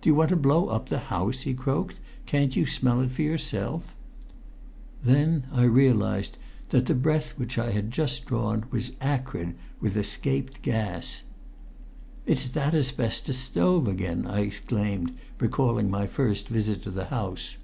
"Do you want to blow up the house?" he croaked. "Can't you smell it for yourself?" Then I realised that the breath which I had just drawn was acrid with escaped gas. "It's that asbestos stove again!" I exclaimed, recalling my first visit to the house.